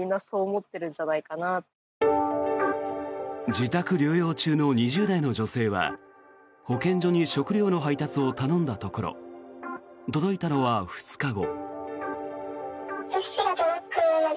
自宅療養中の２０代の女性は保健所に食料の配達を頼んだところ届いたのは２日後。